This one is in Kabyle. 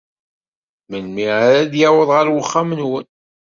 Melmi ara d-yaweḍ ɣer uxxam-nwen?